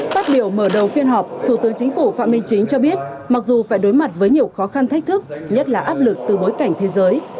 phát biểu mở đầu phiên họp thủ tướng chính phủ phạm minh chính cho biết mặc dù phải đối mặt với nhiều khó khăn thách thức nhất là áp lực từ bối cảnh thế giới